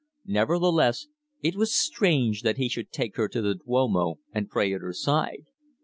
Nevertheless, it was strange that he should take her to the Duomo and pray at her side.